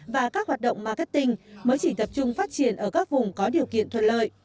và các hoạt động marketing mới chỉ tập trung phát triển ở các vùng có điều kiện thuận lợi